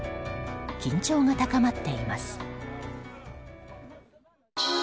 緊張が高まっています。